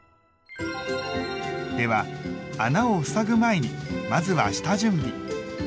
では穴をふさぐ前にまずは下準備！